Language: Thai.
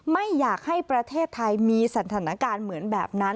ไม่อยากให้ประเทศไทยมีสถานการณ์เหมือนแบบนั้น